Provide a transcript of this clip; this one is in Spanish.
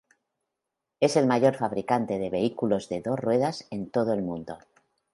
Es el mayor fabricante de vehículos de dos ruedas en todo el mundo.